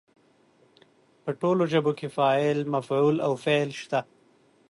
په ټولو ژبو کې فاعل، مفعول او فعل شته.